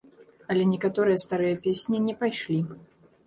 Але некаторыя старыя песні не пайшлі.